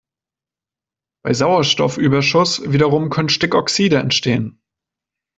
Bei Sauerstoffüberschuss wiederum können Stickoxide entstehen.